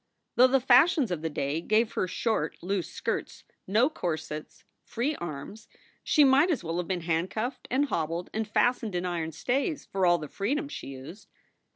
Though the fashions of the day gave her short, loose skirts, no corsets, free arms, she might as well have been handcuffed and hobbled and fastened in iron stays, for all the freedom she used.